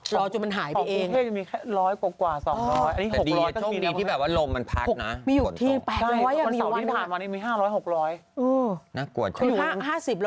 รอจนมันหายไปเอง